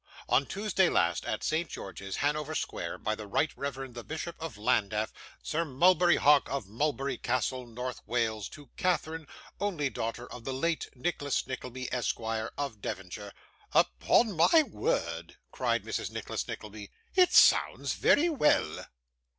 On Tuesday last, at St George's, Hanover Square, by the Right Reverend the Bishop of Llandaff, Sir Mulberry Hawk, of Mulberry Castle, North Wales, to Catherine, only daughter of the late Nicholas Nickleby, Esquire, of Devonshire. 'Upon my word!' cried Mrs. Nicholas Nickleby, 'it sounds very well.